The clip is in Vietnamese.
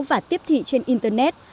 và tiếp thị trên internet